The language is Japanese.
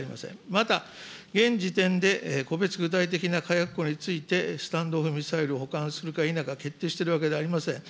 また現時点で、個別具体的な火薬庫について、スタンド・オフ・ミサイルを保管するか否か決定しているわけではありません。